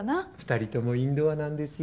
２人共インドアなんです。